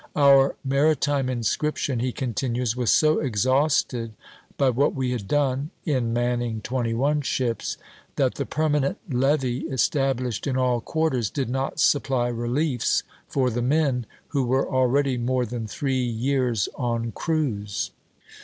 "Our maritime inscription," he continues, "was so exhausted by what we had done [in manning twenty one ships], that the permanent levy established in all quarters did not supply reliefs for the men, who were already more than three years on cruise."